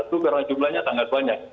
satu barang jumlahnya sangat banyak